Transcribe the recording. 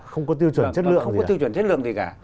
không có tiêu chuẩn chất lượng gì cả